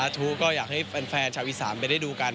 ทุกก็อยากให้แฟนชาวอีสานไปได้ดูกัน